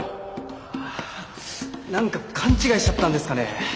あ何か勘違いしちゃったんですかね。